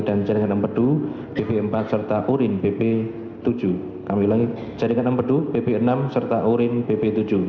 dan jaringan empedu bp empat serta urin bp tujuh